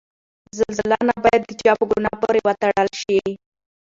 زلزله نه باید د چا په ګناه پورې وتړل شي.